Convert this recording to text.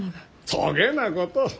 そげなこと！